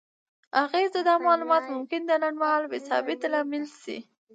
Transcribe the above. اغیزه: دا معلومات ممکن د لنډمهاله بې ثباتۍ لامل شي؛